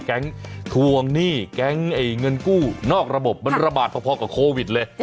แก๊งทวงหนี้แก๊งเงินกู้นอกระบบมันระบาดพอกับโควิดเลย